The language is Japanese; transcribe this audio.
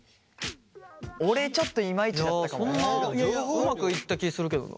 うまくいった気するけどな。